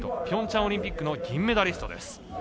ピョンチャンオリンピックの銀メダリストです。